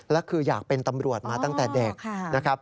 และคืออยากเป็นตำรวจมาตั้งแต่เด็กนะครับ